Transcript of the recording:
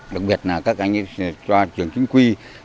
đồng biệt các anh cho trường chính quy